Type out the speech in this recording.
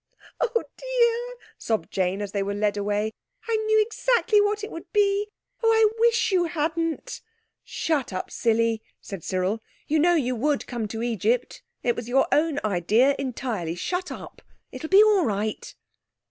"Oh, dear!" sobbed Jane, as they were led away. "I knew exactly what it would be! Oh, I wish you hadn't!" "Shut up, silly," said Cyril. "You know you would come to Egypt. It was your own idea entirely. Shut up. It'll be all right."